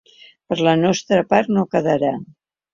Per la nostra part no quedarà.